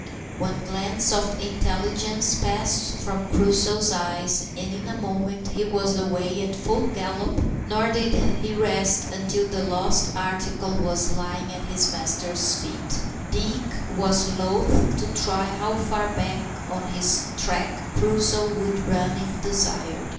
One glance of intelligence passed from Crusoe's eye, and in a moment he was away at full gallop, nor did he rest until the lost article was lying at his master's feet. Dick was loath to try how far back on his track Crusoe would run if desired.